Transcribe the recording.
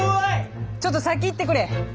ちよっと先いってくれ！